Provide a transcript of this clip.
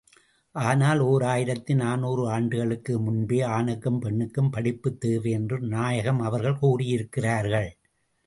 ஆனால் ஓர் ஆயிரத்து நாநூறு ஆண்டுகளுக்கு முன்பே ஆணுக்கும், பெண்ணுக்கும் படிப்புத் தேவை என்று நாயகம் அவர்கள் கூறியிருக்கிறார்கள்.